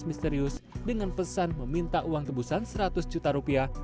polisi menangkap smk dengan pesan meminta uang kebusan seratus juta rupiah